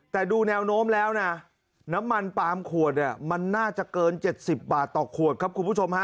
แต่ดูแนวโน้มแล้วนะน้ำมันปาล์มขวดเนี่ยมันน่าจะเกิน๗๐บาทต่อขวดครับคุณผู้ชมฮะ